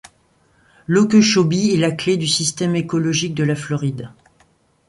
L'Okechobee est la clé du système écologique de la Floride.